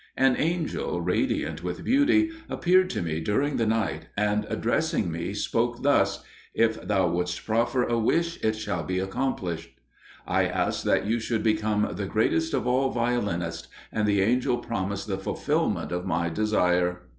An angel, radiant with beauty, appeared to me during the night, and, addressing me, spoke thus: 'If thou wouldst proffer a wish, it shall be accomplished.' I asked that you should become the greatest of all violinists, and the angel promised the fulfilment of my desire."